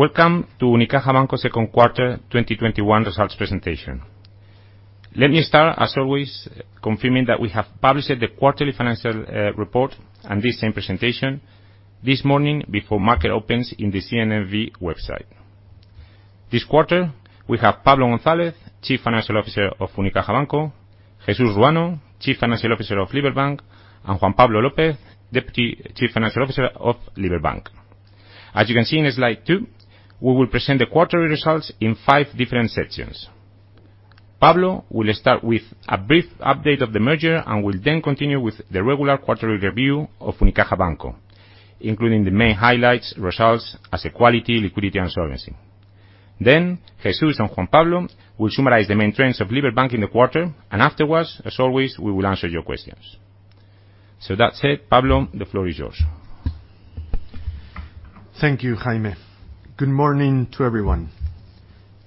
Welcome to Unicaja Banco second quarter 2021 results presentation. Let me start, as always, confirming that we have published the quarterly financial report and this same presentation this morning before market opens in the CNMV website. This quarter, we have Pablo González Martín, Chief Financial Officer of Unicaja Banco, Jesús Ruano, Chief Financial Officer of Liberbank, and Juan Pablo López, Deputy Chief Financial Officer of Liberbank. As you can see in slide two, we will present the quarterly results in five different sections. Pablo will start with a brief update of the merger, and will then continue with the regular quarterly review of Unicaja Banco, including the main highlights, results, asset quality, liquidity, and solvency. Jesús and Juan Pablo will summarize the main trends of Liberbank in the quarter. Afterwards, as always, we will answer your questions. That said, Pablo, the floor is yours. Thank you, Jaime. Good morning to everyone.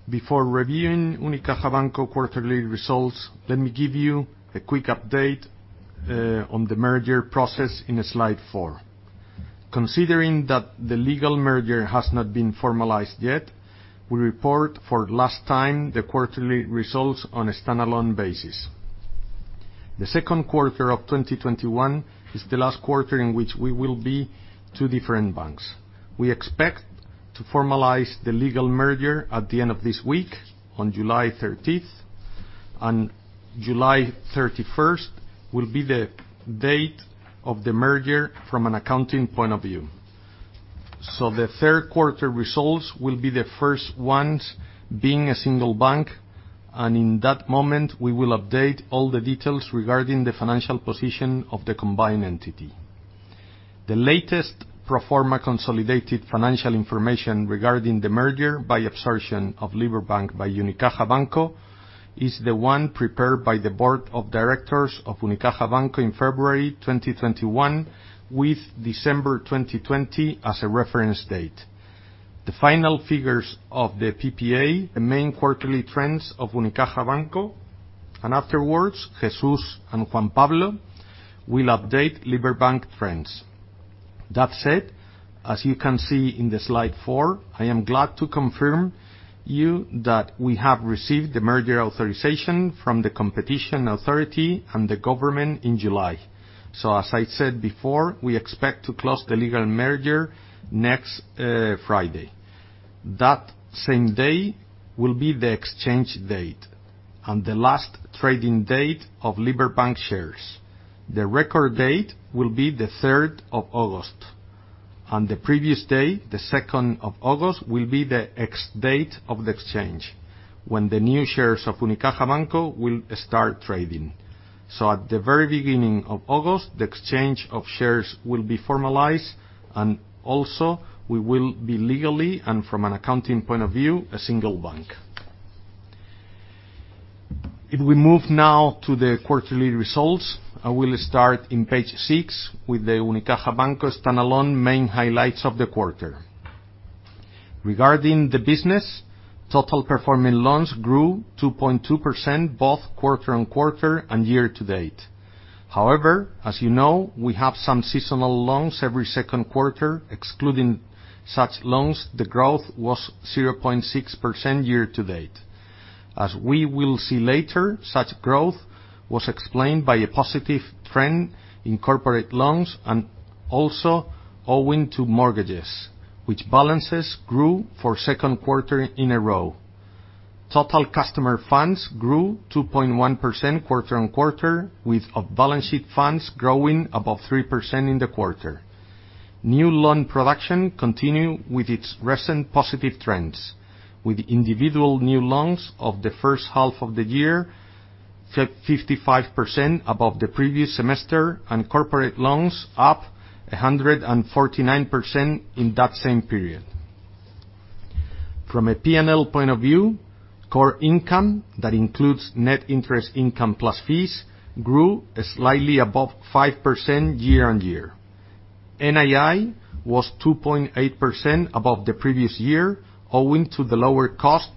Before reviewing Unicaja Banco quarterly results, let me give you a quick update on the merger process in slide four. Considering that the legal merger has not been formalized yet, we report for last time the quarterly results on a standalone basis. The second quarter of 2021 is the last quarter in which we will be two different banks. We expect to formalize the legal merger at the end of this week, on July 30th. July 31st will be the date of the merger from an accounting point of view. The third quarter results will be the first ones being a single bank, and in that moment, we will update all the details regarding the financial position of the combined entity. The latest pro forma consolidated financial information regarding the merger by absorption of Liberbank by Unicaja Banco is the one prepared by the board of directors of Unicaja Banco in February 2021, with December 2020 as a reference date. The final figures of the PPA, the main quarterly trends of Unicaja Banco, and afterwards, Jesús and Juan Pablo will update Liberbank trends. That said, as you can see in the slide four, I am glad to confirm you that we have received the merger authorization from the competition authority and the government in July. As I said before, we expect to close the legal merger next Friday. That same day will be the exchange date and the last trading date of Liberbank shares. The record date will be the 3rd of August, and the previous day, the 2nd of August, will be the ex-date of the exchange, when the new shares of Unicaja Banco will start trading. At the very beginning of August, the exchange of shares will be formalized, and also we will be legally, and from an accounting point of view, a single bank. If we move now to the quarterly results, I will start in page six with the Unicaja Banco standalone main highlights of the quarter. Regarding the business, total performing loans grew 2.2%, both quarter-on-quarter and year-to-date. However, as you know, we have some seasonal loans every second quarter. Excluding such loans, the growth was 0.6% year-to-date. As we will see later, such growth was explained by a positive trend in corporate loans and also owing to mortgages, which balances grew for a second quarter in a row. Total customer funds grew 2.1% quarter on quarter, with off-balance-sheet funds growing above 3% in the quarter. New loan production continued with its recent positive trends, with individual new loans of the first half of the year up 55% above the previous semester, and corporate loans up 149% in that same period. From a P&L point of view, core income, that includes net interest income plus fees, grew slightly above 5% year on year. NII was 2.8% above the previous year, owing to the lower cost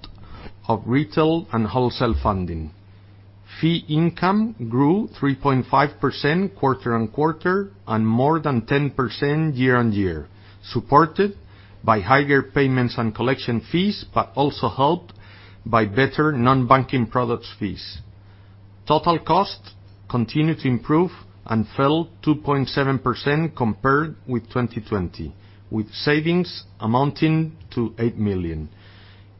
of retail and wholesale funding. Fee income grew 3.5% quarter-on-quarter and more than 10% year-on-year, supported by higher payments and collection fees, but also helped by better non-banking products fees. Total cost continued to improve and fell 2.7% compared with 2020, with savings amounting to 8 million.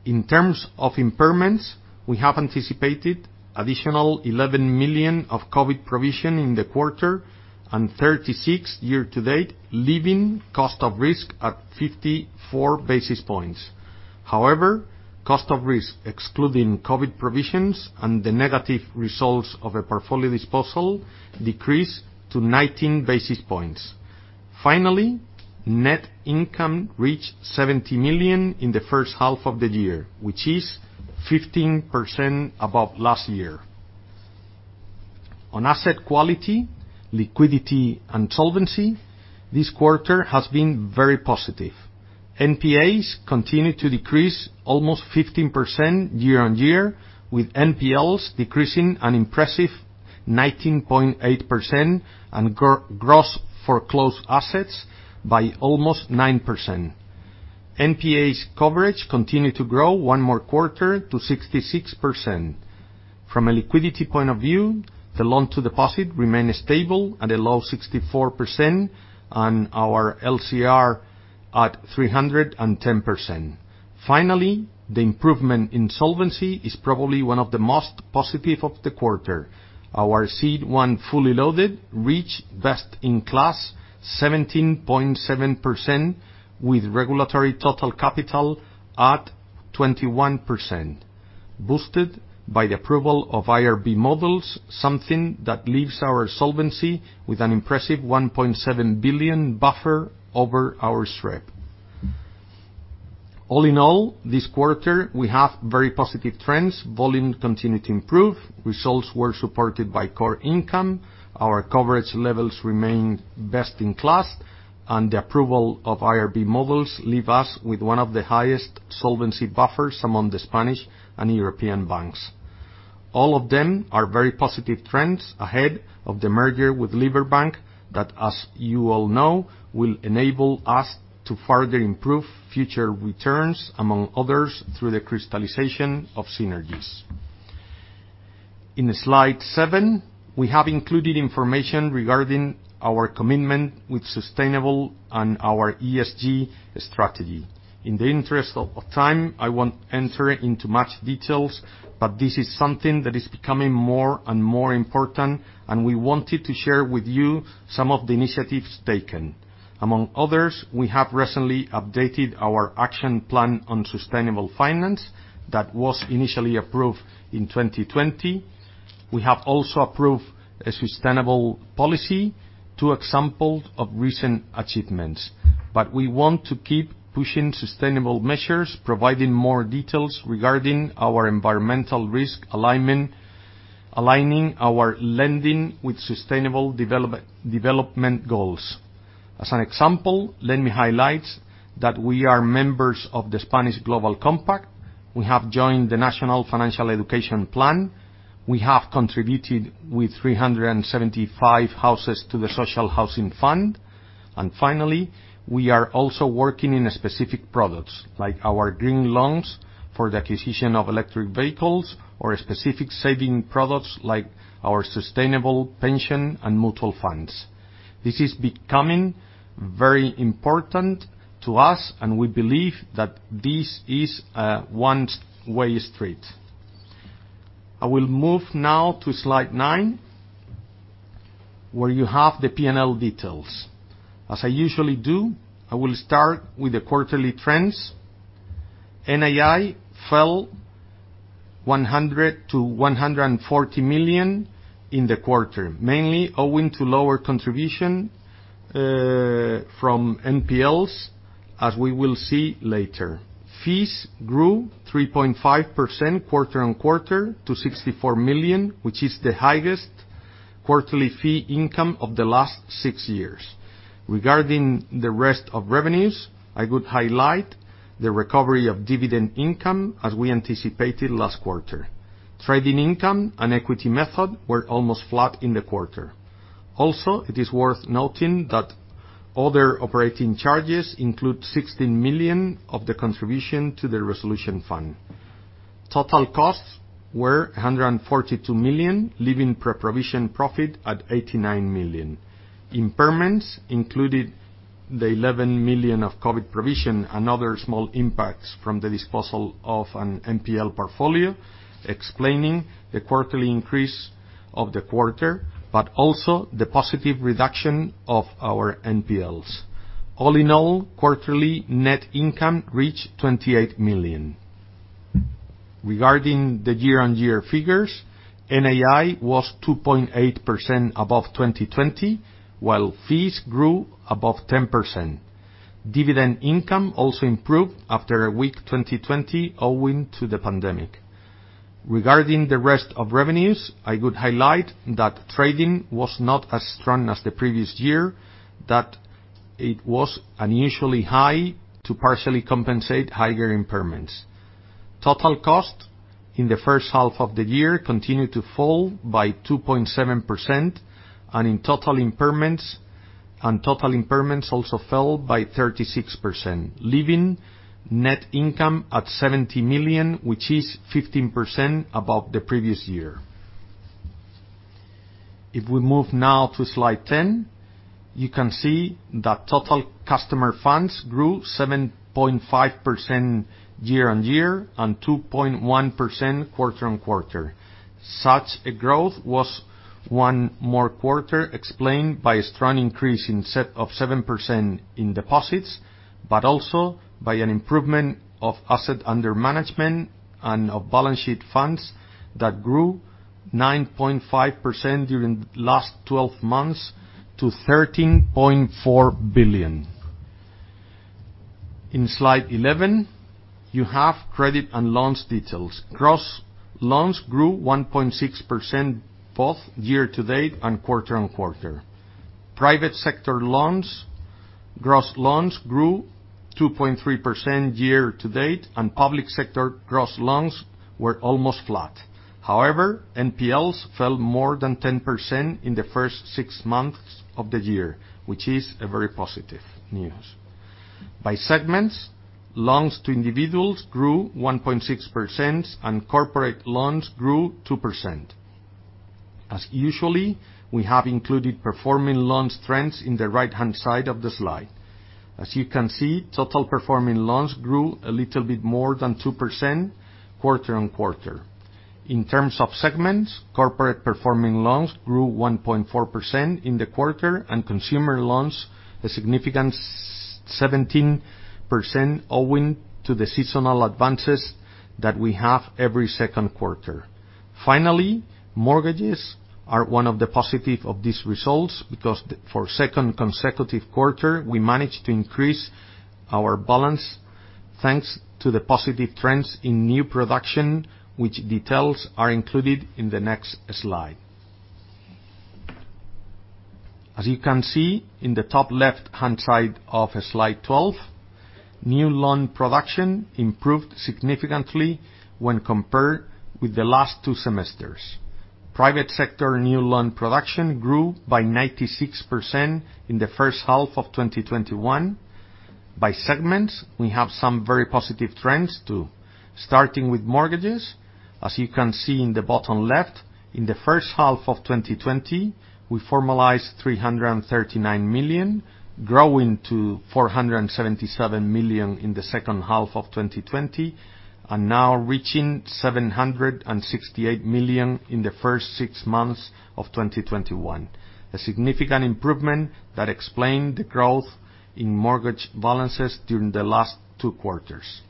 In terms of impairments, we have anticipated additional 11 million of COVID provision in the quarter, and 36 million year to date, leaving cost of risk at 54 basis points. Cost of risk, excluding COVID provisions and the negative results of a portfolio disposal, decreased to 19 basis points. Net income reached 70 million in the first half of the year, which is 15% above last year. On asset quality, liquidity, and solvency, this quarter has been very positive. NPAs continued to decrease almost 15% year-on-year, with NPLs decreasing an impressive 19.8% and gross foreclosed assets by almost 9%. NPAs coverage continued to grow one more quarter to 66%. From a liquidity point of view, the loan to deposit remained stable at a low 64%, and our LCR at 310%. Finally, the improvement in solvency is probably one of the most positive of the quarter. Our CET1 fully loaded reached best in class 17.7%, with regulatory total capital at 21%, boosted by the approval of IRB models, something that leaves our solvency with an impressive 1.7 billion buffer over our SREP. All in all, this quarter, we have very positive trends. Volume continued to improve. Results were supported by core income. Our coverage levels remained best in class, and the approval of IRB models leave us with one of the highest solvency buffers among the Spanish and European banks. All of them are very positive trends ahead of the merger with Liberbank, that, as you all know, will enable us to further improve future returns, among others, through the crystallization of synergies. In slide seven, we have included information regarding our commitment with sustainable and our ESG strategy. In the interest of time, I won't enter into much details, but this is something that is becoming more and more important, and we wanted to share with you some of the initiatives taken. Among others, we have recently updated our action plan on sustainable finance that was initially approved in 2020. We have also approved a sustainable policy, two example of recent achievements. We want to keep pushing sustainable measures, providing more details regarding our environmental risk alignment, aligning our lending with sustainable development goals. As an example, let me highlight that we are members of the Spanish Global Compact. We have joined the National Financial Education Plan. We have contributed with 375 houses to the Social Housing Fund. Finally, we are also working in specific products, like our green loans for the acquisition of electric vehicles or specific saving products like our sustainable pension and mutual funds. This is becoming very important to us, and we believe that this is a one-way street. I will move now to slide nine, where you have the P&L details. As I usually do, I will start with the quarterly trends. NII fell 100 million-140 million in the quarter, mainly owing to lower contribution from NPLs, as we will see later. Fees grew 3.5% quarter-on-quarter to 64 million, which is the highest quarterly fee income of the last six years. Regarding the rest of revenues, I could highlight the recovery of dividend income, as we anticipated last quarter. Trading income and equity method were almost flat in the quarter. Also, it is worth noting that other operating charges include 16 million of the contribution to the Single Resolution Fund. Total costs were 142 million, leaving pre-provision profit at 89 million. Impairments included the 11 million of COVID provision and other small impacts from the disposal of an NPL portfolio, explaining the quarterly increase of the quarter, but also the positive reduction of our NPLs. All in all, quarterly net income reached 28 million. Regarding the year-on-year figures, NII was 2.8% above 2020, while fees grew above 10%. Dividend income also improved after a weak 2020 owing to the pandemic. Regarding the rest of revenues, I could highlight that trading was not as strong as the previous year, that it was unusually high to partially compensate higher impairments. Total cost in the first half of the year continued to fall by 2.7%, and total impairments also fell by 36%, leaving net income at 70 million, which is 15% above the previous year. If we move now to slide 10, you can see that total customer funds grew 7.5% year-over-year and 2.1% quarter-over-quarter. Such a growth was one more quarter explained by a strong increase of 7% in deposits, but also by an improvement of Assets Under Management and of balance sheet funds that grew 9.5% during last 12 months to 13.4 billion. In slide 11, you have credit and loans details. Gross loans grew 1.6% both year-to-date and quarter-over-quarter. Private sector loans, gross loans grew 2.3% year-to-date, and public sector gross loans were almost flat. However, NPLs fell more than 10% in the first six months of the year, which is a very positive news. By segments, loans to individuals grew 1.6%, and corporate loans grew 2%. As usually, we have included performing loan trends in the right-hand side of the slide. As you can see, total performing loans grew a little bit more than 2% quarter-on-quarter. In terms of segments, corporate performing loans grew 1.4% in the quarter, and consumer loans a significant 17%, owing to the seasonal advances that we have every second quarter. Finally, mortgages are one of the positive of these results because for a second consecutive quarter, we managed to increase our balance, thanks to the positive trends in new production, which details are included in the next slide. As you can see in the top left-hand side of slide 12, new loan production improved significantly when compared with the last two semesters. Private sector new loan production grew by 96% in the first half of 2021. By segments, we have some very positive trends, too. Starting with mortgages, as you can see in the bottom left, in the first half of 2020, we formalized 339 million, growing to 477 million in the second half of 2020, and now reaching 768 million in the first six months of 2021, a significant improvement that explained the growth in mortgage balances during the last two quarters.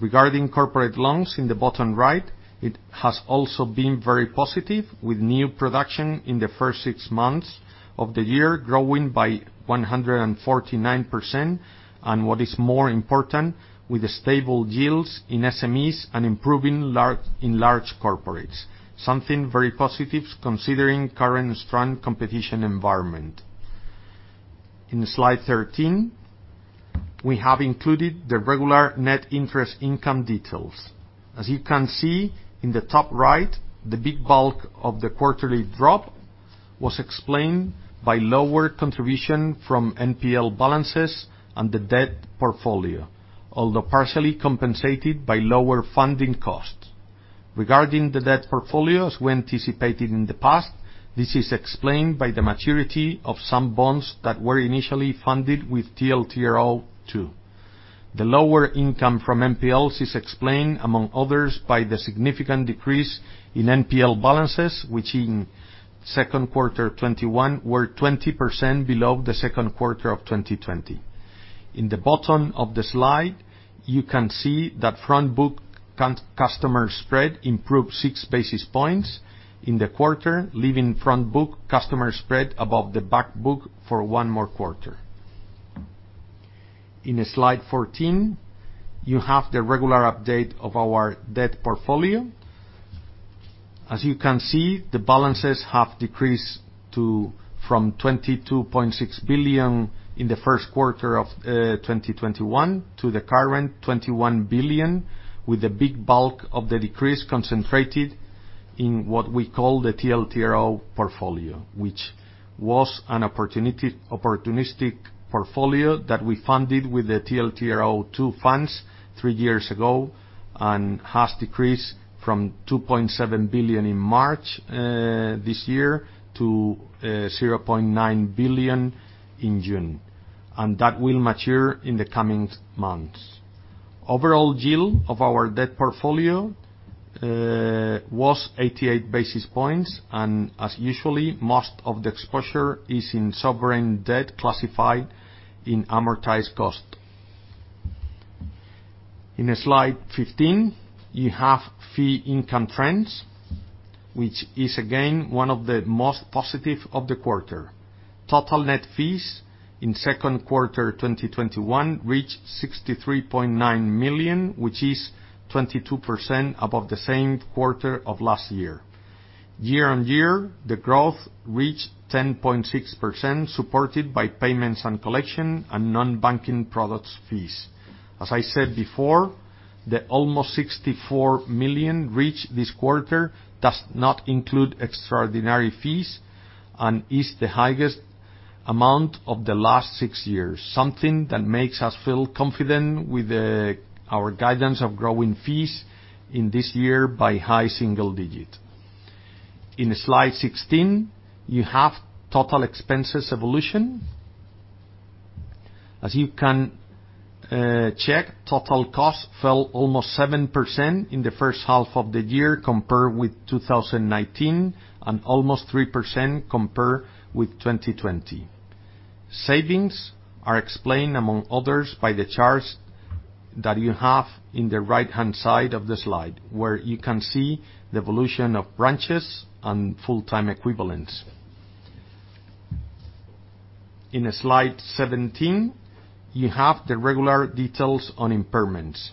Regarding corporate loans in the bottom right, it has also been very positive, with new production in the first six months of the year growing by 149%. What is more important, with stable yields in SMEs and improving in large corporates, something very positive considering current strong competition environment. In slide 13, we have included the regular net interest income details. As you can see in the top right, the big bulk of the quarterly drop was explained by lower contribution from NPL balances and the debt portfolio, although partially compensated by lower funding costs. Regarding the debt portfolios we anticipated in the past, this is explained by the maturity of some bonds that were initially funded with TLTRO II. The lower income from NPLs is explained, among others, by the significant decrease in NPL balances, which in second quarter 2021 were 20% below second quarter 2020. In the bottom of the slide, you can see that front book customer spread improved six basis points in the quarter, leaving front book customer spread above the back book for one more quarter. In slide 14, you have the regular update of our debt portfolio. As you can see, the balances have decreased from 22.6 billion in first quarter of 2021 to the current 21 billion, with the big bulk of the decrease concentrated in what we call the TLTRO portfolio, which was an opportunistic portfolio that we funded with the TLTRO II funds three years ago and has decreased from 2.7 billion in March this year to 0.9 billion in June. That will mature in the coming months. Overall yield of our debt portfolio was 88 basis points, and as usually, most of the exposure is in sovereign debt classified in amortized cost. In slide 15, you have fee income trends, which is again one of the most positive of the quarter. Total net fees in second quarter 2021 reached 63.9 million, which is 22% above the same quarter of last year. Year-over-year, the growth reached 10.6%, supported by payments and collection and non-banking products fees. As I said before, the almost 64 million reached this quarter does not include extraordinary fees and is the highest amount of the last six years, something that makes us feel confident with our guidance of growing fees in this year by high single digits. In slide 16, you have total expenses evolution. As you can check, total costs fell almost 7% in the first half of the year compared with 2019, and almost 3% compared with 2020. Savings are explained, among others, by the charts that you have in the right-hand side of the slide, where you can see the evolution of branches and full-time equivalents. In slide 17, you have the regular details on impairments.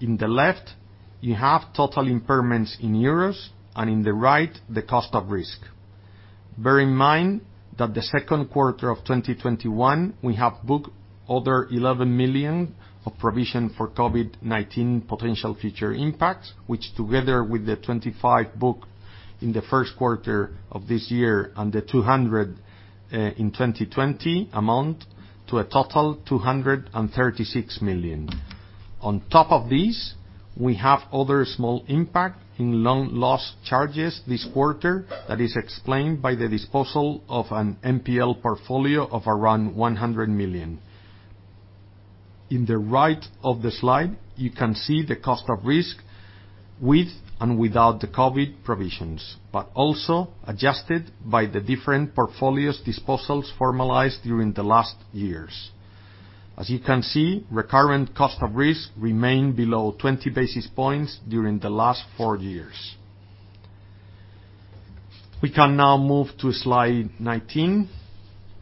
In the left, you have total impairments in euros, and in the right, the cost of risk. Bear in mind that the second quarter of 2021, we have booked 11 million of provision for COVID-19 potential future impacts, which together with the 25 booked in the first quarter of this year and the 200 million in 2020 amount to a total 236 million. On top of this, we have other small impact in loan loss charges this quarter that is explained by the disposal of an NPL portfolio of around 100 million. In the right of the slide, you can see the cost of risk with and without the COVID provisions, but also adjusted by the different portfolios disposals formalized during the last years. As you can see, recurrent cost of risk remained below 20 basis points during the last four years. We can now move to slide 19,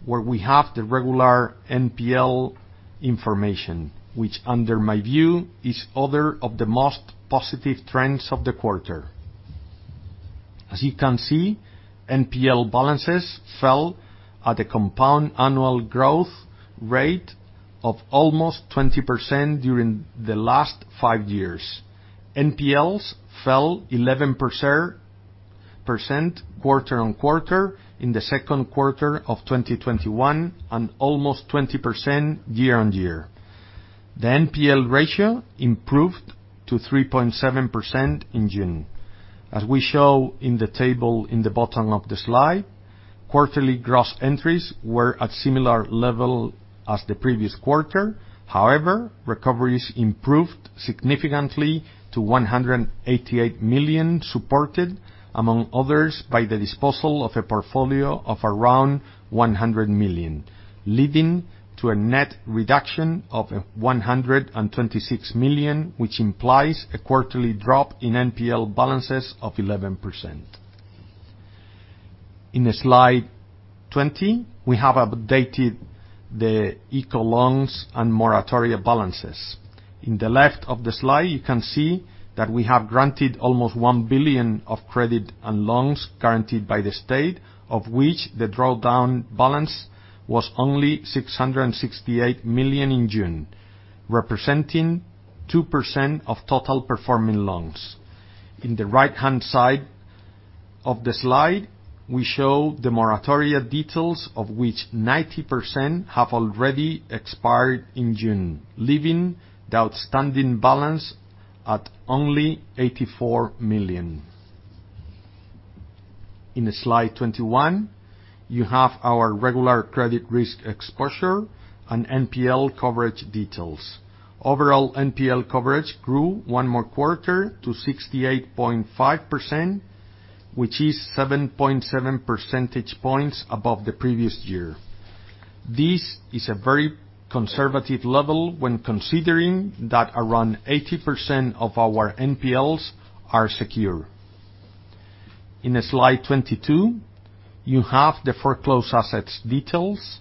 where we have the regular NPL information, which under my view is other of the most positive trends of the quarter. As you can see, NPL balances fell at a compound annual growth rate of almost 20% during the last five years. NPLs fell 11% quarter-on-quarter in the second quarter of 2021, and almost 20% year-on-year. The NPL ratio improved to 3.7% in June. As we show in the table in the bottom of the slide, quarterly gross entries were at similar level as the previous quarter. Recoveries improved significantly to 188 million, supported among others, by the disposal of a portfolio of around 100 million, leading to a net reduction of 126 million, which implies a quarterly drop in NPL balances of 11%. On Slide 20, we have updated the ICO loans and moratoria balances. On the left of the slide, you can see that we have granted almost 1 billion of credit and loans guaranteed by the state, of which the drawdown balance was only 668 million in June, representing 2% of total performing loans. On the right-hand side of the slide, we show the moratoria details, of which 90% have already expired in June, leaving the outstanding balance at only 84 million. On Slide 21, you have our regular credit risk exposure and NPL coverage details. Overall, NPL coverage grew one more quarter to 68.5%, which is 7.7 percentage points above the previous year. This is a very conservative level when considering that around 80% of our NPLs are secure. In slide 22, you have the foreclosed assets details.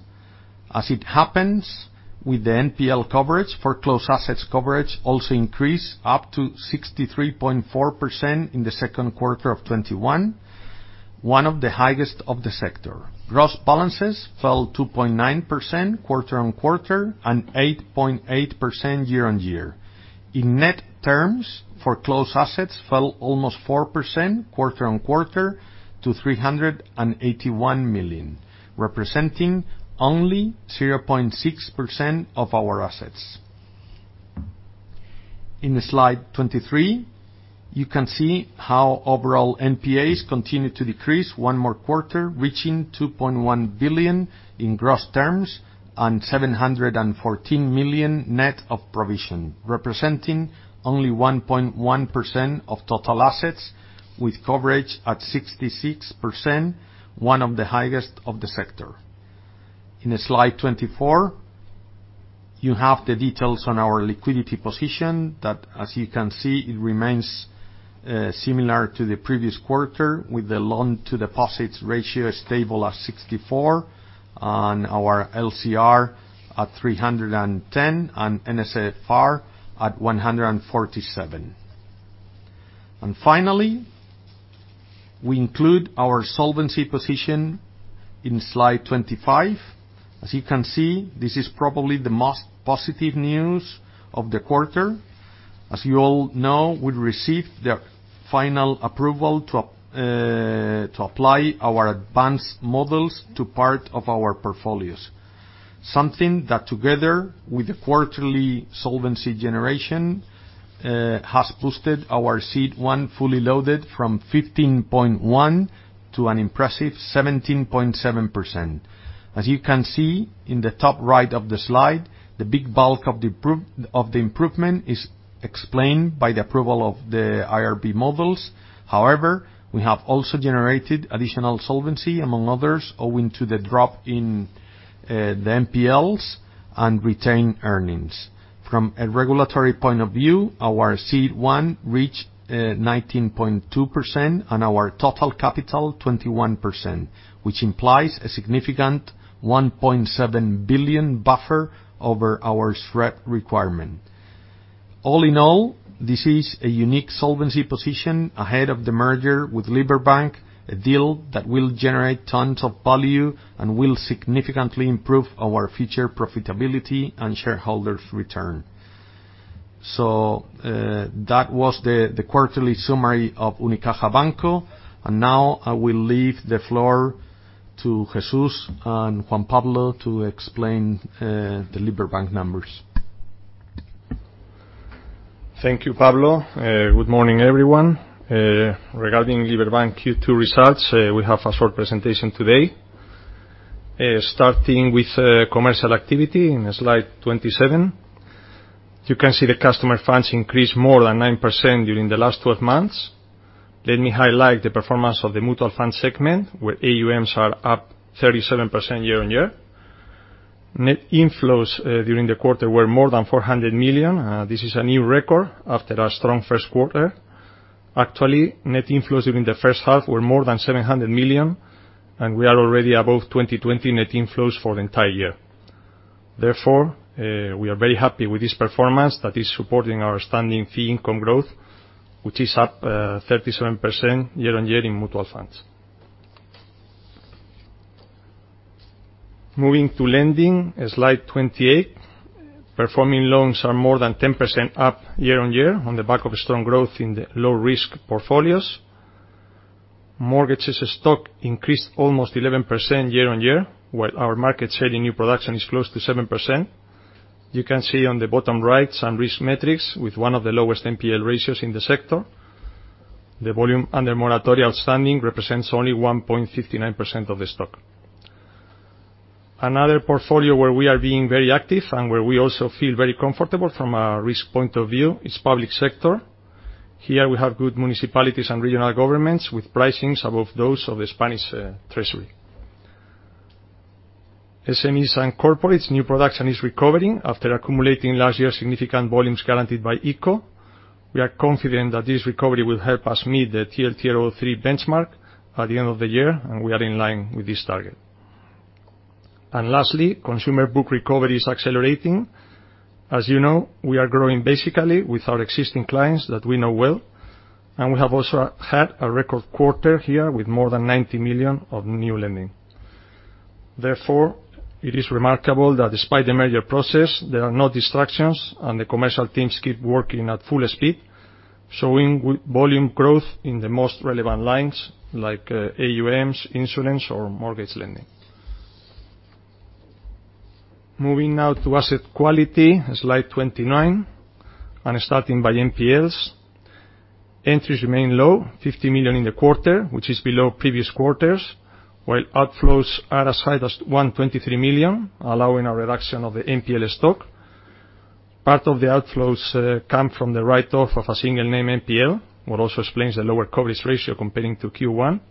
As it happens with the NPL coverage, foreclosed assets coverage also increased up to 63.4% in the second quarter of 2021, one of the highest of the sector. Gross balances fell 2.9% quarter-on-quarter and 8.8% year-on-year. In net terms, foreclosed assets fell almost 4% quarter-on-quarter to 381 million, representing only 0.6% of our assets. In slide 23, you can see how overall NPAs continued to decrease one more quarter, reaching 2.1 billion in gross terms and 714 million net of provision, representing only 1.1% of total assets with coverage at 66%, one of the highest of the sector. In slide 24, you have the details on our liquidity position. As you can see, it remains similar to the previous quarter, with the loan to deposits ratio stable at 64 on our LCR at 310 and NSFR at 147. Finally, we include our solvency position in slide 25. As you can see, this is probably the most positive news of the quarter. As you all know, we received the final approval to apply our advanced models to part of our portfolios. Something that, together with the quarterly solvency generation, has boosted our CET1 fully loaded from 15.1% to an impressive 17.7%. As you can see in the top right of the slide, the big bulk of the improvement is explained by the approval of the IRB models. However, we have also generated additional solvency, among others, owing to the drop in the NPLs and retained earnings. From a regulatory point of view, our CET1 reached 19.2% and our total capital 21%, which implies a significant 1.7 billion buffer over our SREP requirement. All in all, this is a unique solvency position ahead of the merger with Liberbank, a deal that will generate tons of value and will significantly improve our future profitability and shareholder return. That was the quarterly summary of Unicaja Banco. Now I will leave the floor to Jesús and Juan Pablo to explain the Liberbank numbers. Thank you, Pablo. Good morning, everyone. Regarding Liberbank Q2 results, we have a short presentation today. Starting with commercial activity in slide 27. You can see the customer funds increased more than 9% during the last 12 months. Let me highlight the performance of the mutual funds segment, where AUMs are up 37% year-on-year. Net inflows during the quarter were more than 400 million. This is a new record after a strong first quarter. Actually, net inflows during the first half were more than 700 million, and we are already above 2020 net inflows for the entire year. Therefore, we are very happy with this performance that is supporting our standing fee income growth, which is up 37% year-on-year in mutual funds. Moving to lending, slide 28. Performing loans are more than 10% up year-on-year on the back of strong growth in the low-risk portfolios. Mortgages stock increased almost 11% year-on-year, while our market share in new production is close to 7%. You can see on the bottom right some risk metrics with one of the lowest NPL ratios in the sector. The volume under moratoria outstanding represents only 1.59% of the stock. Another portfolio where we are being very active and where we also feel very comfortable from a risk point of view is public sector. Here we have good municipalities and regional governments with pricings above those of the Public Treasury. SMEs and corporates, new production is recovering after accumulating last year significant volumes guaranteed by ICO. We are confident that this recovery will help us meet the TLTRO III benchmark at the end of the year, and we are in line with this target. Lastly, consumer book recovery is accelerating. As you know, we are growing basically with our existing clients that we know well, and we have also had a record quarter here with more than 90 million of new lending. It is remarkable that despite the merger process, there are no distractions, and the commercial teams keep working at full speed, showing volume growth in the most relevant lines, like AUMs, insurance, or mortgage lending. Moving now to asset quality, slide 29, and starting by NPLs. Entries remain low, 50 million in the quarter, which is below previous quarters, while outflows are as high as 123 million, allowing a reduction of the NPL stock. Part of the outflows come from the write-off of a single name NPL, what also explains the lower coverage ratio comparing to Q1.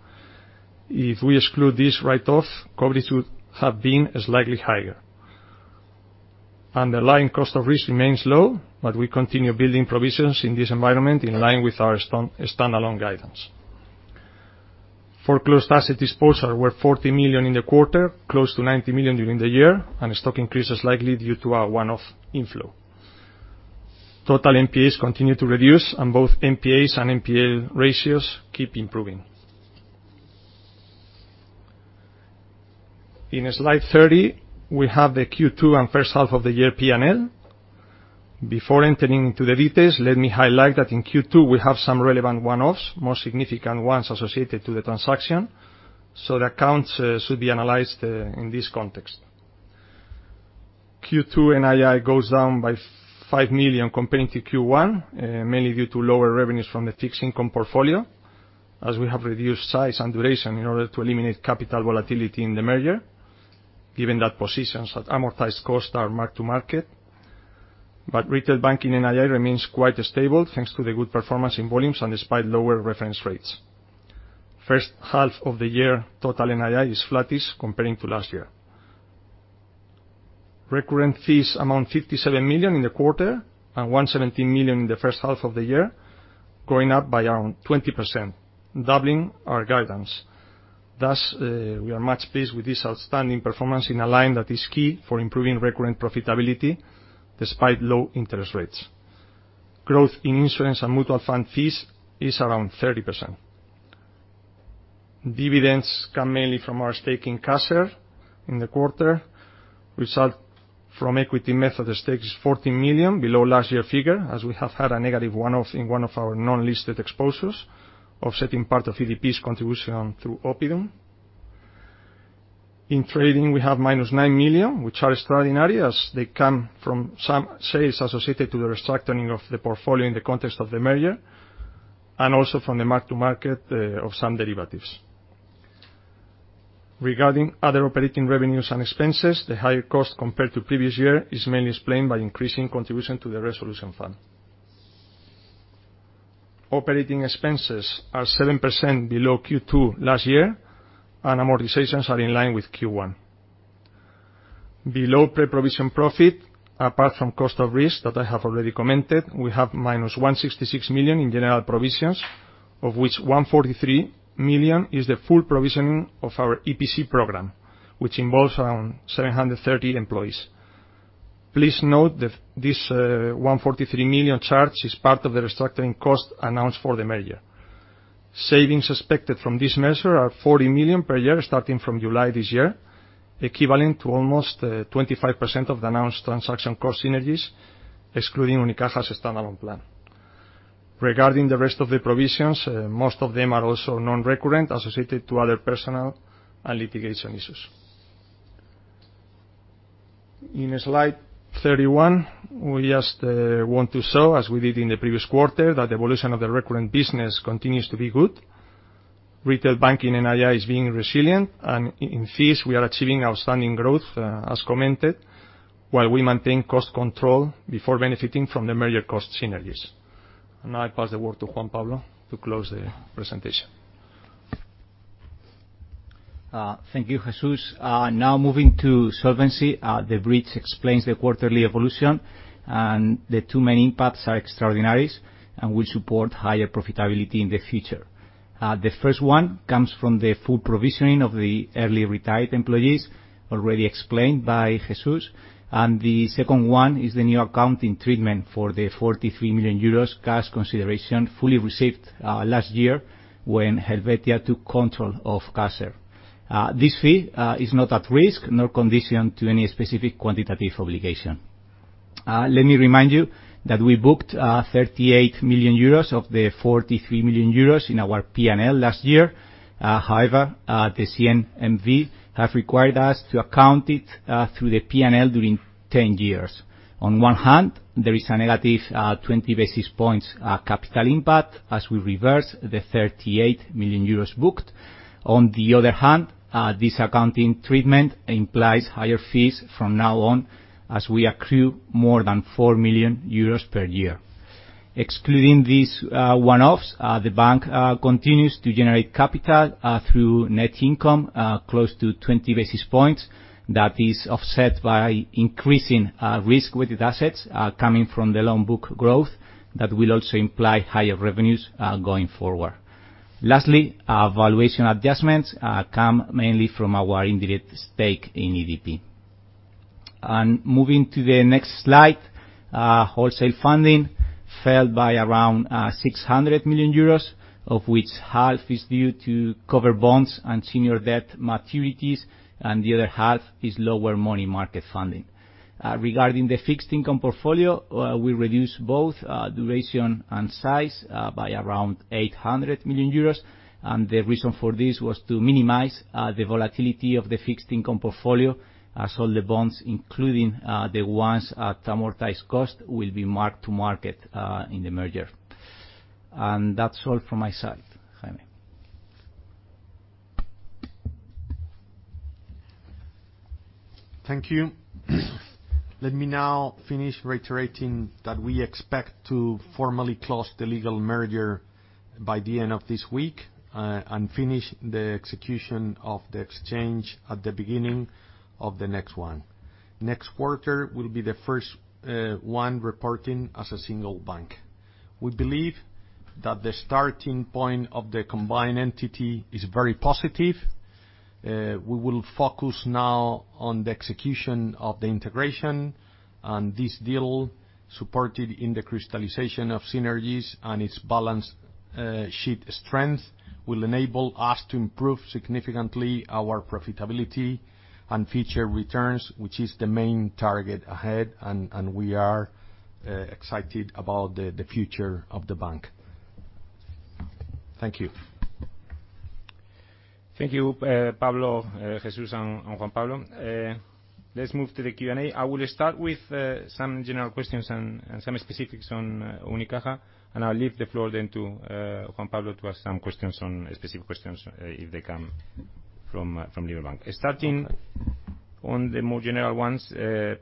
If we exclude this write-off, coverage would have been slightly higher. Underlying cost of risk remains low, but we continue building provisions in this environment in line with our standalone guidance. Foreclosed asset disposals were 40 million in the quarter, close to 90 million during the year, and stock increase is likely due to our one-off inflow. Total NPAs continue to reduce, and both NPAs and NPL ratios keep improving. In slide 30, we have the Q2 and first half of the year P&L. Before entering into the details, let me highlight that in Q2, we have some relevant one-offs, more significant ones associated to the transaction. The accounts should be analyzed in this context. Q2 NII goes down by 5 million comparing to Q1, mainly due to lower revenues from the fixed income portfolio, as we have reduced size and duration in order to eliminate capital volatility in the merger, given that positions at amortized cost are mark-to-market. Retail banking NII remains quite stable, thanks to the good performance in volumes and despite lower reference rates. First half of the year, total NII is flattish comparing to last year. Recurrent fees amount 57 million in the quarter and 117 million in the first half of the year, growing up by around 20%, doubling our guidance. We are much pleased with this outstanding performance in a line that is key for improving recurrent profitability despite low interest rates. Growth in insurance and mutual fund fees is around 30%. Dividends come mainly from our stake in CASER in the quarter. Result from equity method stakes is 14 million, below last year figure, as we have had a negative one-off in one of our non-listed exposures, offsetting part of EDP's contribution through Oppidum. In trading, we have -9 million, which are extraordinary as they come from some sales associated to the restructuring of the portfolio in the context of the merger, and also from the mark-to-market of some derivatives. Regarding other operating revenues and expenses, the higher cost compared to previous year is mainly explained by increasing contribution to the Single Resolution Fund. Operating expenses are 7% below Q2 last year, and amortizations are in line with Q1. Below pre-provision profit, apart from cost of risk that I have already commented, we have -166 million in general provisions, of which 143 million is the full provision of our EPC program. Which involves around 730 employees. Please note that this 143 million charge is part of the restructuring cost announced for the merger. Savings expected from this measure are 40 million per year starting from July this year, equivalent to almost 25% of the announced transaction cost synergies, excluding Unicaja's standalone plan. Regarding the rest of the provisions, most of them are also non-recurrent associated to other personal and litigation issues. In Slide 31, we just want to show, as we did in the previous quarter, that the evolution of the recurrent business continues to be good. Retail banking NII is being resilient, and in fees we are achieving outstanding growth, as commented, while we maintain cost control before benefiting from the merger cost synergies. Now I pass the word to Juan Pablo to close the presentation. Thank you, Jesús. Moving to solvency. The bridge explains the quarterly evolution. The two main parts are extraordinaries and will support higher profitability in the future. The first one comes from the full provisioning of the early retired employees, already explained by Jesús. The second one is the new accounting treatment for the 43 million euros cash consideration fully received last year when Helvetia took control of CASER. This fee is not at risk, nor conditioned to any specific quantitative obligation. Let me remind you that we booked 38 million euros of the 43 million euros in our P&L last year. The CNMV have required us to account it through the P&L during 10 years. There is a -20 basis points capital impact as we reverse the 38 million euros booked. On the other hand, this accounting treatment implies higher fees from now on, as we accrue more than 4 million euros per year. Excluding these one-offs, the bank continues to generate capital through net income, close to 20 basis points. That is offset by increasing risk-weighted assets coming from the loan book growth, that will also imply higher revenues going forward. Lastly, valuation adjustments come mainly from our indirect stake in EDP. Moving to the next slide. Wholesale funding fell by around 600 million euros, of which half is due to cover bonds and senior debt maturities, and the other half lower money market funding. Regarding the fixed income portfolio, we reduced both duration and size by around 800 million euros. The reason for this was to minimize the volatility of the fixed income portfolio, as all the bonds, including the ones at amortized cost, will be marked to market in the merger. That's all from my side. Jaime. Thank you. Let me now finish reiterating that we expect to formally close the legal merger by the end of this week, and finish the execution of the exchange at the beginning of the next one. Next quarter will be the first one reporting as a single bank. We believe that the starting point of the combined entity is very positive. We will focus now on the execution of the integration, and this deal, supported in the crystallization of synergies and its balance sheet strength, will enable us to improve significantly our profitability and future returns, which is the main target ahead. We are excited about the future of the bank. Thank you. Thank you, Pablo, Jesús, and Juan Pablo López. Let's move to the Q&A. I will start with some general questions and some specifics on Unicaja, and I'll leave the floor then to Juan Pablo López to ask some specific questions, if they come from Liberbank. Starting on the more general ones.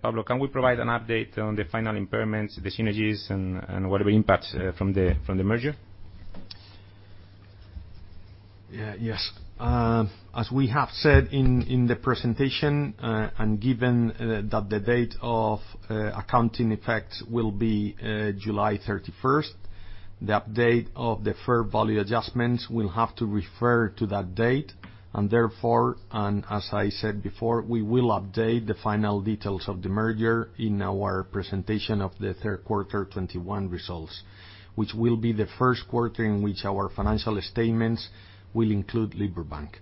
Pablo, can we provide an update on the final impairments, the synergies, and what will impact from the merger? Yes. As we have said in the presentation, given that the date of accounting effect will be July 31st, the update of the fair value adjustments will have to refer to that date. Therefore, as I said before, we will update the final details of the merger in our presentation of the third quarter 2021 results, which will be the first quarter in which our financial statements will include Liberbank.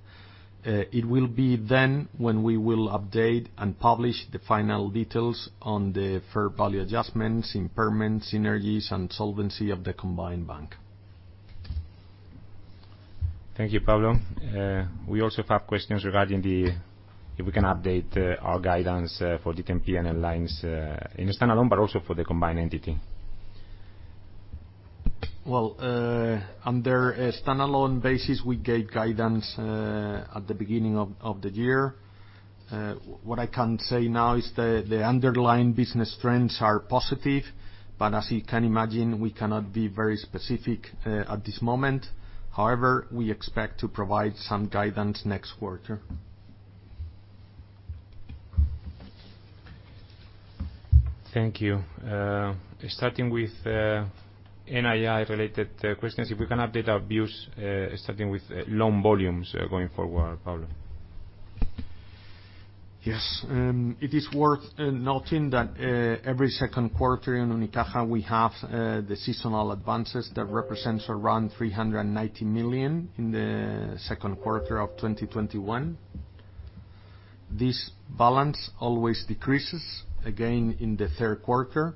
It will be then when we will update and publish the final details on the fair value adjustments, impairment synergies, and solvency of the combined bank. Thank you, Pablo. We also have questions regarding if we can update our guidance for different P&L lines in standalone, but also for the combined entity. Well, under a standalone basis, we gave guidance at the beginning of the year. What I can say now is the underlying business trends are positive, but as you can imagine, we cannot be very specific at this moment. However, we expect to provide some guidance next quarter. Thank you. Starting with NII-related questions, if we can update our views, starting with loan volumes going forward, Pablo. Yes. It is worth noting that every second quarter in Unicaja, we have the seasonal advances that represents around 390 million in the second quarter of 2021. This balance always decreases again in the third quarter.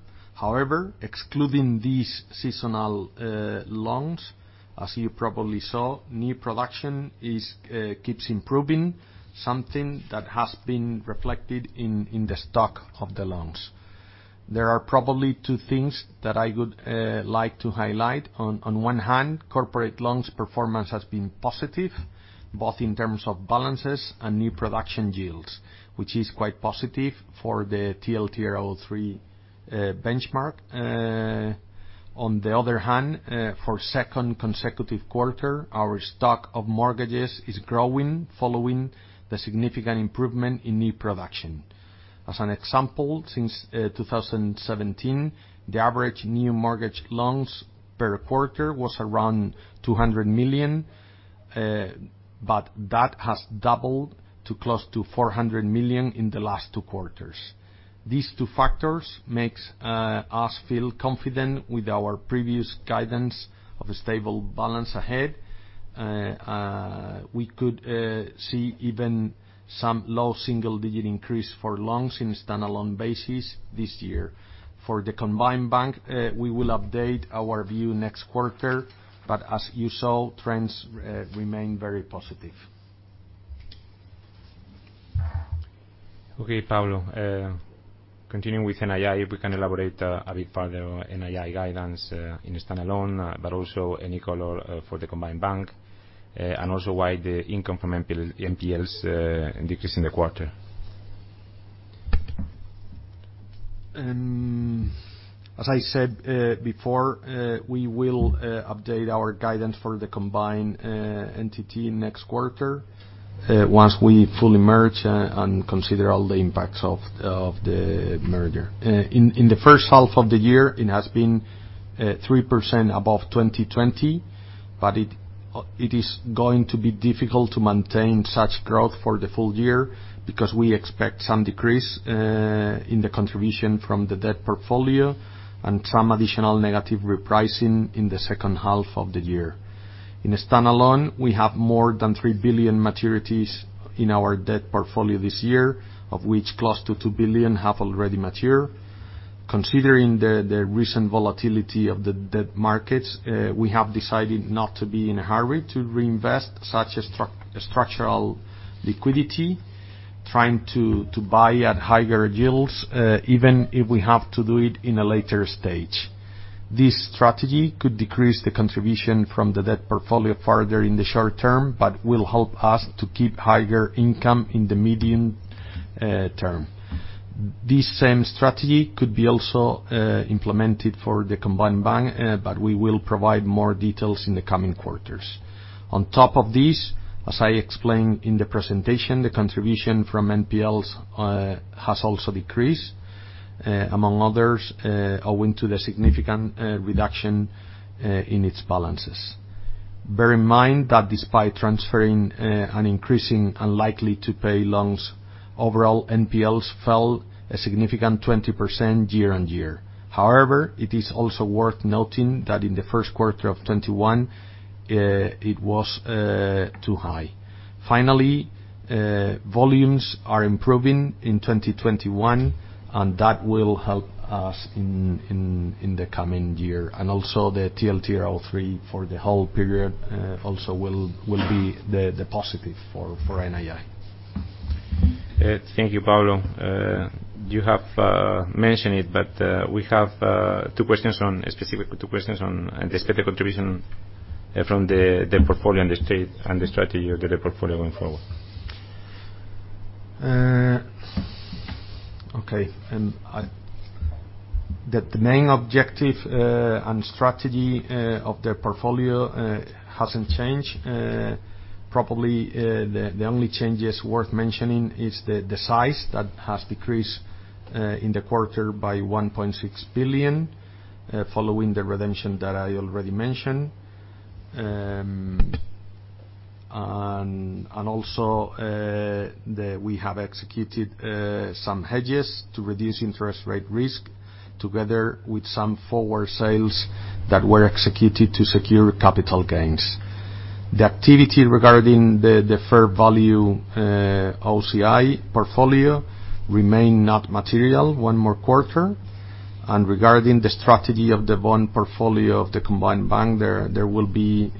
Excluding these seasonal loans, as you probably saw, new production keeps improving, something that has been reflected in the stock of the loans. There are probably two things that I would like to highlight. On one hand, corporate loans performance has been positive, both in terms of balances and new production yields, which is quite positive for the TLTRO III benchmark. On the other hand, for second consecutive quarter, our stock of mortgages is growing, following the significant improvement in new production. As an example, since 2017, the average new mortgage loans per quarter was around 200 million, but that has doubled to close to 400 million in the last two quarters. These two factors makes us feel confident with our previous guidance of a stable balance ahead. We could see even some low single-digit increase for loans in standalone basis this year. For the combined bank, we will update our view next quarter, but as you saw, trends remain very positive. Okay, Pablo. Continuing with NII, if we can elaborate a bit further on NII guidance in standalone, but also any color for the combined bank, and also why the income from NPLs decreased in the quarter. As I said before, we will update our guidance for the combined entity next quarter, once we fully merge and consider all the impacts of the merger. In the first half of the year, it has been 3% above 2020, it is going to be difficult to maintain such growth for the full year because we expect some decrease in the contribution from the debt portfolio and some additional negative repricing in the second half of the year. In standalone, we have more than 3 billion maturities in our debt portfolio this year, of which close to 2 billion have already matured. Considering the recent volatility of the debt markets, we have decided not to be in a hurry to reinvest such structural liquidity, trying to buy at higher yields, even if we have to do it in a later stage. This strategy could decrease the contribution from the debt portfolio further in the short term, but will help us to keep higher income in the medium term. This same strategy could be also implemented for the combined bank, but we will provide more details in the coming quarters. On top of this, as I explained in the presentation, the contribution from NPLs has also decreased, among others, owing to the significant reduction in its balances. Bear in mind that despite transferring and increasing unlikely-to-pay loans, overall NPLs fell a significant 20% year-on-year. However, it is also worth noting that in the first quarter of 2021, it was too high. Finally, volumes are improving in 2021, and that will help us in the coming year. The TLTRO III for the whole period also will be positive for NII. Thank you, Pablo. You have mentioned it, but we have two specific questions on the stated contribution from the portfolio and the strategy of the portfolio going forward. Okay. The main objective and strategy of the portfolio hasn't changed. Probably, the only changes worth mentioning is the size, that has decreased in the quarter by 1.6 billion, following the redemption that I already mentioned. Also, we have executed some hedges to reduce interest rate risk, together with some forward sales that were executed to secure capital gains. The activity regarding the fair value OCI portfolio remained not material one more quarter. Regarding the strategy of the bond portfolio of the combined bank, there will be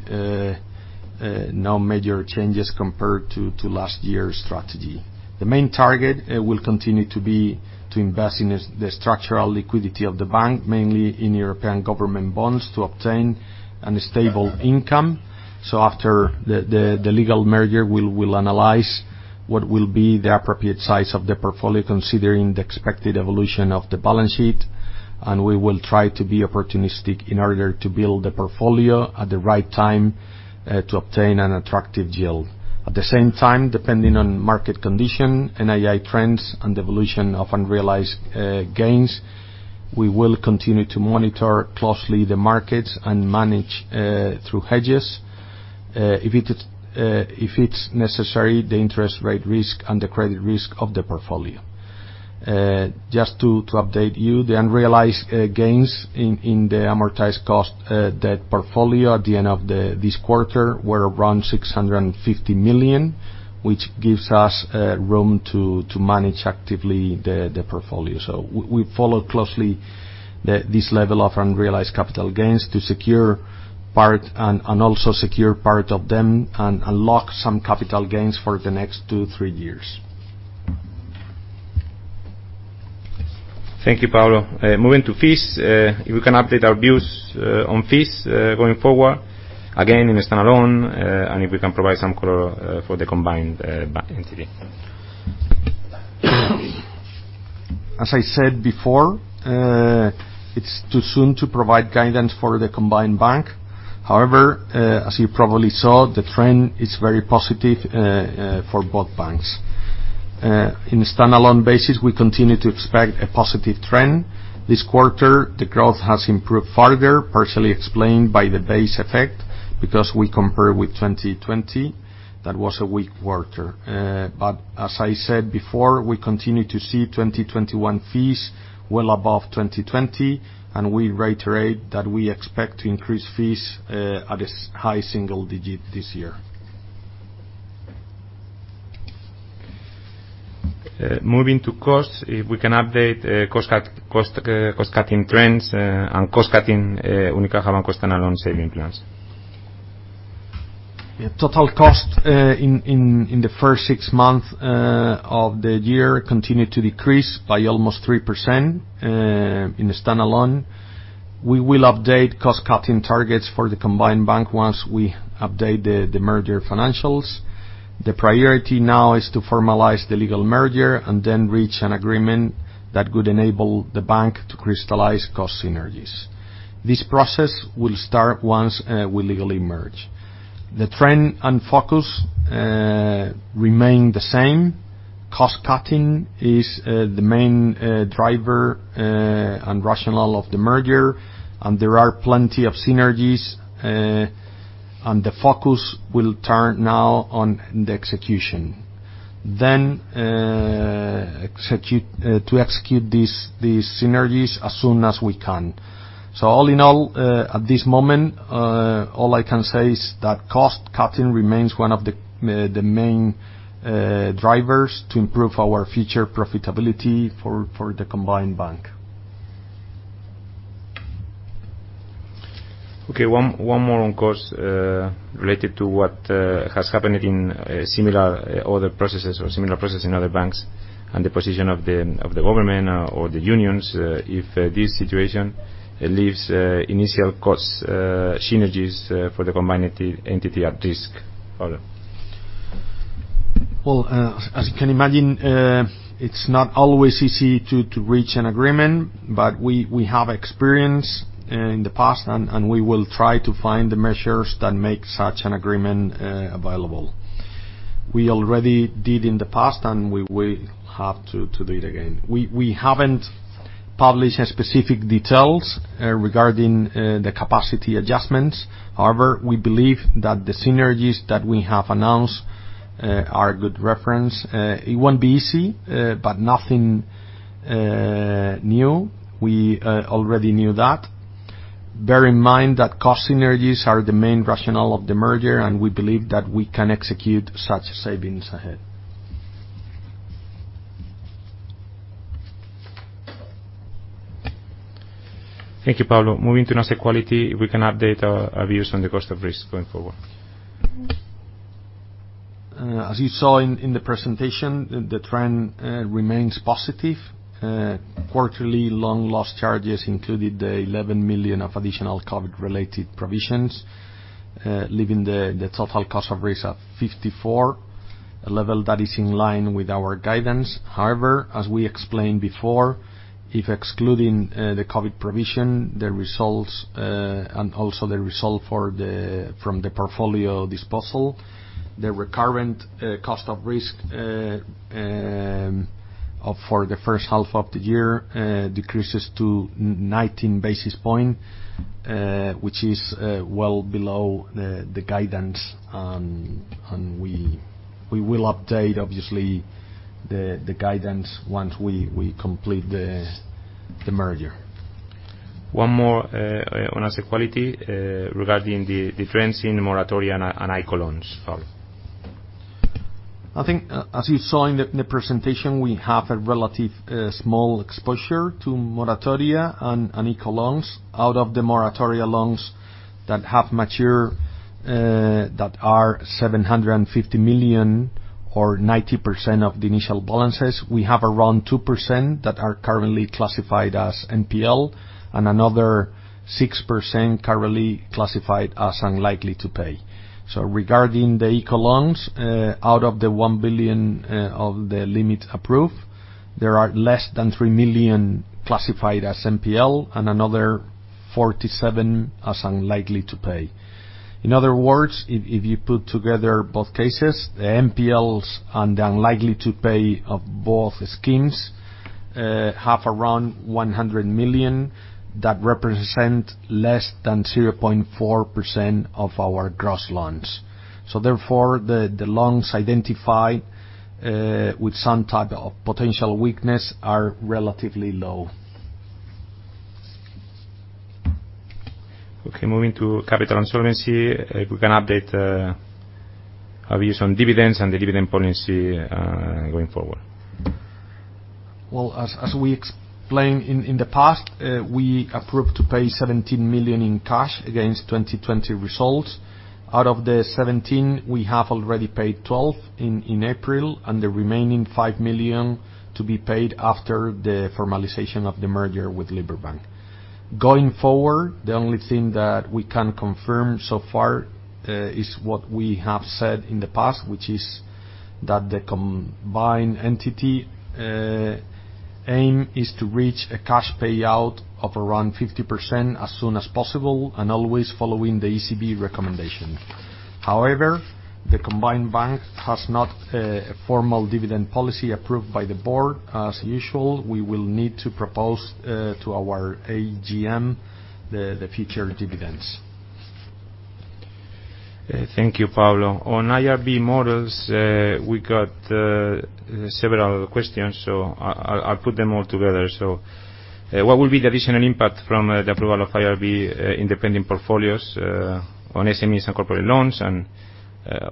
no major changes compared to last year's strategy. The main target will continue to be to invest in the structural liquidity of the bank, mainly in European government bonds, to obtain a stable income. After the legal merger, we'll analyze what will be the appropriate size of the portfolio, considering the expected evolution of the balance sheet. We will try to be opportunistic in order to build the portfolio at the right time to obtain an attractive yield. At the same time, depending on market condition, NII trends, and evolution of unrealized gains, we will continue to monitor closely the markets and manage through hedges, if it's necessary, the interest rate risk and the credit risk of the portfolio. Just to update you, the unrealized gains in the amortized cost debt portfolio at the end of this quarter were around 650 million, which gives us room to manage actively the portfolio. We follow closely this level of unrealized capital gains to secure part, and also secure part of them, and unlock some capital gains for the next two, three years. Thank you, Pablo. Moving to fees, if we can update our views on fees going forward, again, in standalone, and if we can provide some color for the combined entity. As I said before, it's too soon to provide guidance for the combined bank. However, as you probably saw, the trend is very positive for both banks. In a standalone basis, we continue to expect a positive trend. This quarter, the growth has improved further, partially explained by the base effect, because we compare with 2020. That was a weak quarter. As I said before, we continue to see 2021 fees well above 2020, and we reiterate that we expect to increase fees at a high single digit this year. Moving to costs, if we can update cost-cutting trends and cost-cutting, Unicaja Banco standalone saving plans. Total cost in the first six months of the year continued to decrease by almost 3% in the standalone. We will update cost-cutting targets for the combined bank once we update the merger financials. The priority now is to formalize the legal merger, and then reach an agreement that would enable the bank to crystallize cost synergies. This process will start once we legally merge. The trend and focus remain the same. Cost-cutting is the main driver and rationale of the merger, and there are plenty of synergies. The focus will turn now on the execution. To execute these synergies as soon as we can. All in all, at this moment, all I can say is that cost-cutting remains one of the main drivers to improve our future profitability for the combined bank. Okay, one more on cost, related to what has happened in similar other processes or similar process in other banks and the position of the government or the unions. If this situation leaves initial cost synergies for the combined entity at risk? Pablo. Well, as you can imagine, it's not always easy to reach an agreement, but we have experience in the past, and we will try to find the measures that make such an agreement available. We already did in the past, and we will have to do it again. We haven't published specific details regarding the capacity adjustments. However, we believe that the synergies that we have announced are a good reference. It won't be easy, but nothing new. We already knew that. Bear in mind that cost synergies are the main rationale of the merger, and we believe that we can execute such savings ahead. Thank you, Pablo. Moving to asset quality, if we can update our views on the cost of risks going forward. As you saw in the presentation, the trend remains positive. Quarterly loan loss charges included the 11 million of additional COVID-related provisions, leaving the total cost of risk at 54 basis points, a level that is in line with our guidance. However, as we explained before, if excluding the COVID provision, the results, and also the result from the portfolio disposal, the recurrent cost of risk for the first half of the year decreases to 19 basis points, which is well below the guidance. We will update, obviously, the guidance once we complete the merger. One more on asset quality, regarding the difference in moratoria and ICO loans. Pablo. I think, as you saw in the presentation, we have a relatively small exposure to moratoria and ICO loans. Out of the moratoria loans that have matured, which are 750 million or 90% of the initial balances, we have around 2% that are currently classified as NPL, and another 6% currently classified as unlikely-to-pay. Regarding the ICO loans, out of the 1 billion of the limit approved, there are less than 3 million classified as NPL, and another 47 million as unlikely-to-pay. In other words, if you put together both cases, the NPLs and the unlikely-to-pay of both schemes have around 100 million, that represent less than 0.4% of our gross loans. Therefore, the loans identified with some type of potential weakness are relatively low. Okay, moving to capital and solvency. We can update our views on dividends and the dividend policy going forward. Well, as we explained in the past, we approved to pay 17 million in cash against 2020 results. Out of the 17, we have already paid 12 million in April, and the remaining 5 million to be paid after the formalization of the merger with Liberbank. Going forward, the only thing that we can confirm so far is what we have said in the past, which is that the combined entity aim is to reach a cash payout of around 50% as soon as possible, and always following the ECB recommendation. However, the combined bank has not a formal dividend policy approved by the board. As usual, we will need to propose to our AGM the future dividends. Thank you, Pablo. On IRB models, we got several questions, so I'll put them all together. What will be the additional impact from the approval of IRB in pending portfolios on SMEs and corporate loans?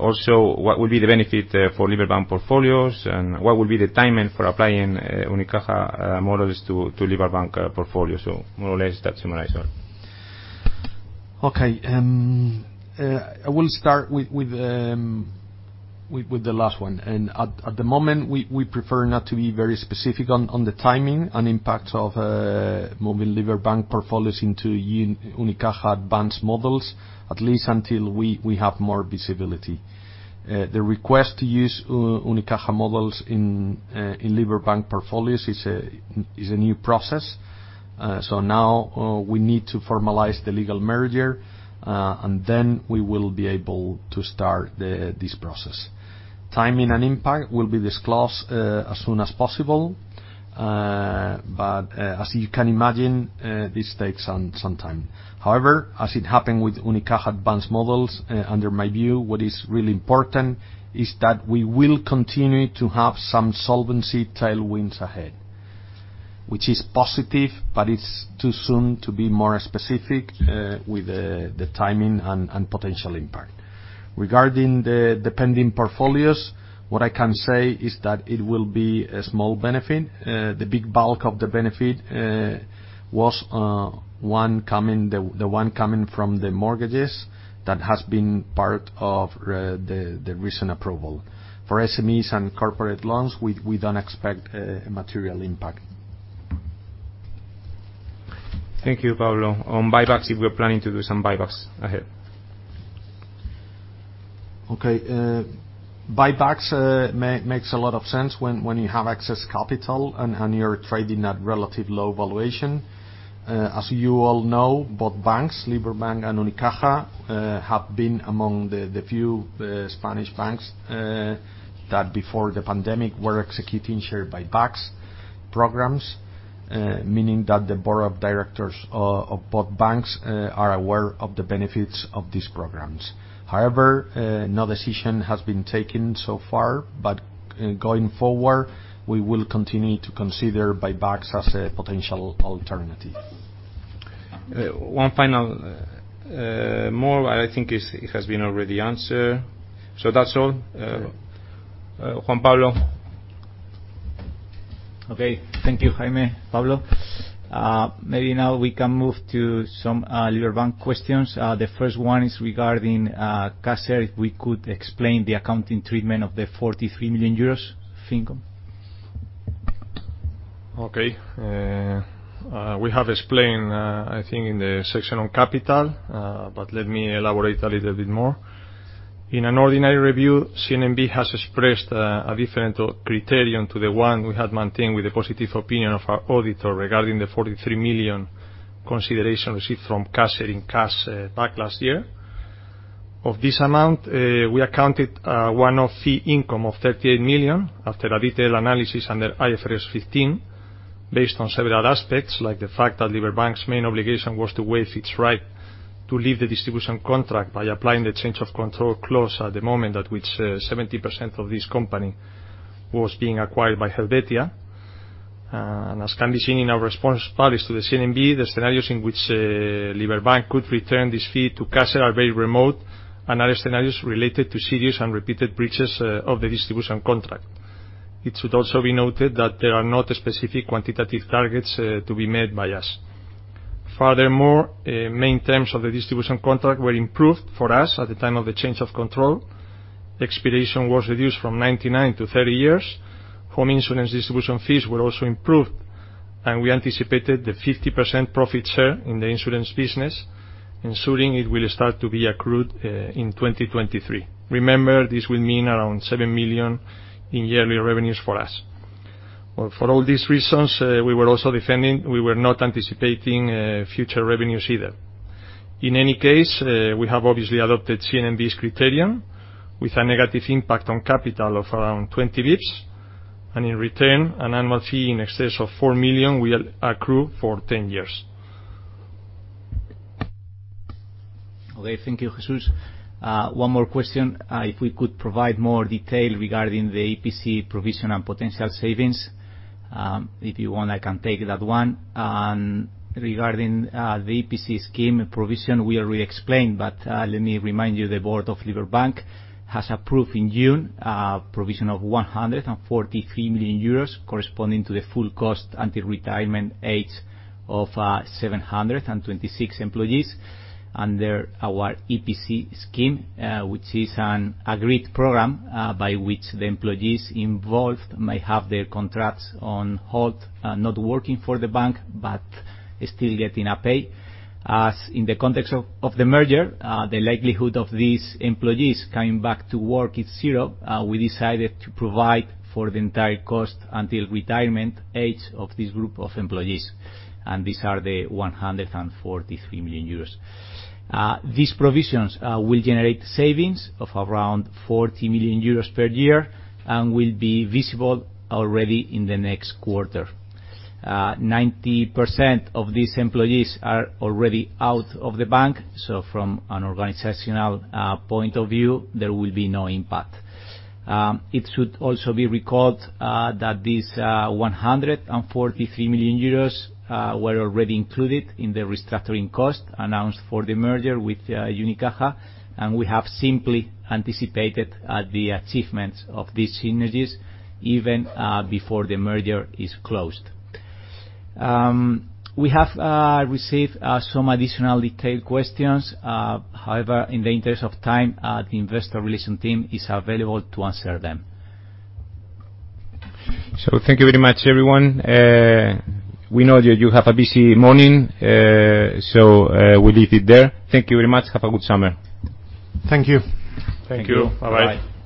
Also, what will be the benefit for Liberbank portfolios, and what will be the timing for applying Unicaja models to Liberbank portfolio? More or less, that summarize all. Okay. I will start with the last one. At the moment, we prefer not to be very specific on the timing and impact of moving Liberbank portfolios into Unicaja advanced models, at least until we have more visibility. The request to use Unicaja models in Liberbank portfolios is a new process. Now we need to formalize the legal merger, and then we will be able to start this process. Timing and impact will be disclosed as soon as possible, but as you can imagine, this takes some time. However, as it happened with Unicaja advanced models, under my view, what is really important is that we will continue to have some solvency tailwinds ahead, which is positive, but it is too soon to be more specific with the timing and potential impact. Regarding the pending portfolios, what I can say is that it will be a small benefit. The big bulk of the benefit was the one coming from the mortgages that has been part of the recent approval. For SMEs and corporate loans, we don't expect a material impact. Thank you, Pablo. On buybacks, if we're planning to do some buybacks ahead. Okay. Buybacks makes a lot of sense when you have excess capital and you're trading at relative low valuation. As you all know, both banks, Liberbank and Unicaja, have been among the few Spanish banks that before the pandemic, were executing share buybacks programs, meaning that the board of directors of both banks are aware of the benefits of these programs. However, no decision has been taken so far, but going forward, we will continue to consider buybacks as a potential alternative. One final more, but I think it has been already answered. That's all. Juan Pablo. Thank you, Jaime. Pablo, maybe now we can move to some Liberbank questions. The first one is regarding CASER. If we could explain the accounting treatment of the 43 million euros fee income. Okay. We have explained, I think, in the section on capital, but let me elaborate a little bit more. In an ordinary review, CNMV has expressed a different criterion to the one we had maintained with a positive opinion of our auditor regarding the 43 million consideration received from CASER in cash back last year. Of this amount, we accounted a one-off fee income of 38 million after a detailed analysis under IFRS 15, based on several aspects, like the fact that Liberbank's main obligation was to waive its right to leave the distribution contract by applying the change of control clause at the moment at which 70% of this company was being acquired by Helvetia. As can be seen in our response published to the CNMV, the scenarios in which Liberbank could return this fee to CASER are very remote, and other scenarios related to serious and repeated breaches of the distribution contract. It should also be noted that there are not specific quantitative targets to be met by us. Furthermore, main terms of the distribution contract were improved for us at the time of the change of control. Expiration was reduced from 99 to 30 years. Home insurance distribution fees were also improved, and we anticipated the 50% profit share in the insurance business, ensuring it will start to be accrued in 2023. Remember, this will mean around 7 million in yearly revenues for us. For all these reasons, we were also defending, we were not anticipating future revenues either. In any case, we have obviously adopted CNMV's criterion with a negative impact on capital of around 20 basis points, and in return, an annual fee in excess of 4 million will accrue for 10 years. Okay. Thank you, Jesús. One more question. If we could provide more detail regarding the EPC provision and potential savings. If you want, I can take that one. Regarding the EPC scheme provision, we already explained, but let me remind you, the Board of Liberbank has approved in June a provision of 143 million euros, corresponding to the full cost until retirement age of 726 employees under our EPC scheme, which is an agreed program by which the employees involved may have their contracts on hold, not working for the bank, but still getting paid. As in the context of the merger, the likelihood of these employees coming back to work is zero, we decided to provide for the entire cost until retirement age of this group of employees, and these are the 143 million euros. These provisions will generate savings of around 40 million euros per year and will be visible already in the next quarter. 90% of these employees are already out of the bank, so from an organizational point of view, there will be no impact. It should also be recalled that this 143 million euros were already included in the restructuring cost announced for the merger with Unicaja, and we have simply anticipated the achievements of these synergies even before the merger is closed. We have received some additional detailed questions. However, in the interest of time, the investor relations team is available to answer them. Thank you very much, everyone. We know that you have a busy morning, so we'll leave it there. Thank you very much. Have a good summer. Thank you. Thank you. Bye. Bye.